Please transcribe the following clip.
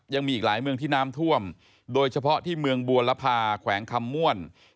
ยังมีอีกหลายเมืองที่น้ำท่วมโดยเฉพาะที่เมืองบัวลภาแขวงคำม่วน